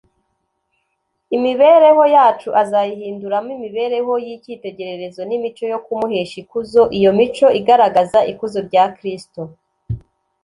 imibereho yacu azayihinduramo imibereho y’icyitegererezo n’imico yo kumuhesha ikuzo iyo mico igaragaza ikuzo rya kristo,